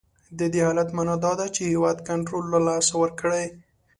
د دې حالت معنا دا ده چې هیواد کنټرول له لاسه ورکړی.